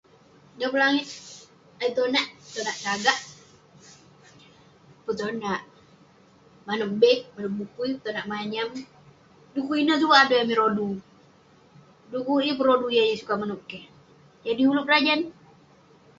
Dan pun langit ayuk petonak; petonak sagak, petonak manouk beg, manouk bokui, konak manyam. Dekuk ineh tue adui amik rodu. Dekuk yeng pun rodu yah yeng sukat manouk keh, jadi ulouk berajan.